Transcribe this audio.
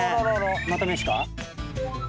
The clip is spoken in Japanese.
また飯か？